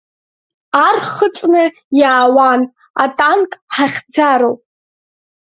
Ар хыҵны иаауан, атанк ҳахьӡароуп…